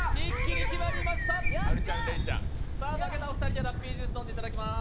負けたお二人にはラッピージュースを飲んでいただきます。